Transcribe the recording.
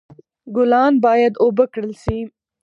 ګلان باید اوبه کړل شي.